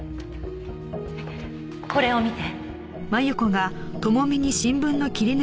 これを見て。